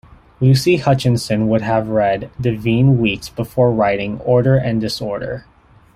Lucy Hutchinson would have read "Devine Weekes" before writing "Order and Disorder".